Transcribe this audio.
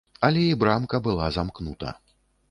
Але і брамка была замкнута.